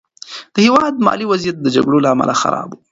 د هېواد مالي وضعیت د جګړو له امله خراب و.